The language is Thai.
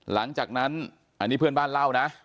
หลังจากนั้นอันนี้เพื่อนบ้านเล่านะ